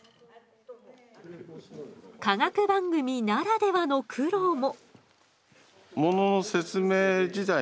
科学番組ならではの苦労も。